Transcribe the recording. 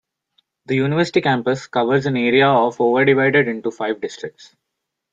The University campus covers an area of over divided into five districts.